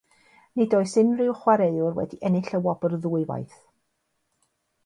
Nid oes unrhyw chwaraewr wedi ennill y wobr ddwywaith.